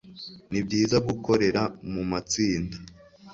Nibyiza gukorera mu matsinda.